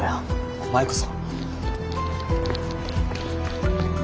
お前こそ。